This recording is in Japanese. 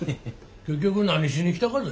結局何しに来たがぜ？